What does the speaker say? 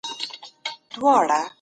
موږ بايد د حالاتو متن په پوره دقت وڅېړو.